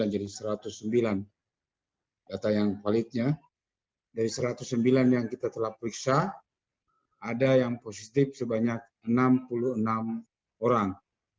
jadi satu ratus sembilan data yang validnya dari satu ratus sembilan yang kita telah periksa ada yang positif sebanyak enam puluh enam orang